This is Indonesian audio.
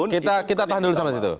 kita tahan dulu sama di situ